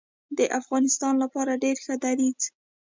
د افغانستان لپاره ډیر ښه دریځ